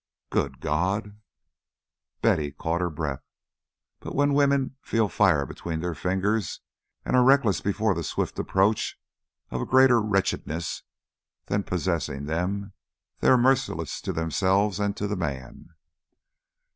"Good God!" Betty caught her breath. But when women feel fire between their fingers and are reckless before the swift approach of a greater wretchedness than that possessing them, they are merciless to themselves and the man.